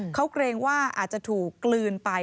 เขาเกรงว่าอาจจะถูกกลืนไป